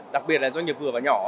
đặc biệt là doanh nghiệp vừa và nhỏ